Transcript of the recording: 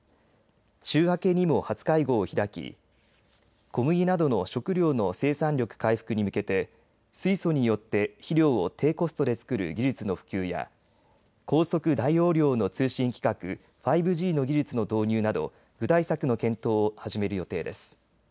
週明けにも初会合を開き小麦などの食料の生産力回復に向けて水素によって肥料を低コストで作る技術の普及や高速・大容量の通信規格５Ｇの技術の導入など具体策の検討を始める予定です。